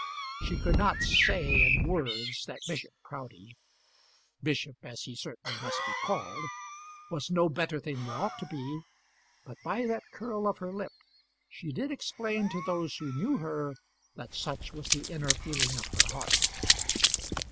She could not say in words, that Bishop Proudie bishop as he certainly must be called was no better than he ought to be; but by that curl of her lip she did explain to those who knew her that such was the inner feeling of her heart.